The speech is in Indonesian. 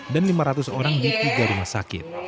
dan lima ratus orang di tiga puluh lima sakit